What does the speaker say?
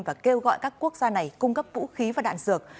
và kêu gọi các quốc gia này cung cấp vũ khí và đạn dược